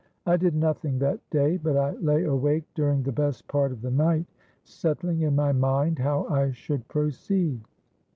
I did nothing that day; but I lay awake during the best part of the night settling in my mind how I should proceed.